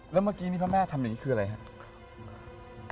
แล้วเมื่อกี้นี่พระแม่ทำอย่างนี้คืออะไรครับ